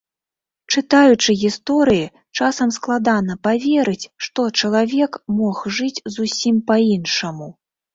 Чытаючы гісторыі, часам складана паверыць, што чалавек мог жыць зусім па-іншаму.